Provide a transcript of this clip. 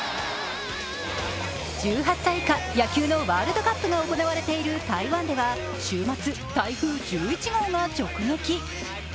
１８歳以下、野球のワールドカップが行われている台湾では週末、台風１１号が直撃。